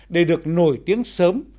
để được nổi tiếng sớm